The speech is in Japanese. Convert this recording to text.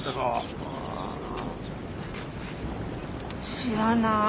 知らない。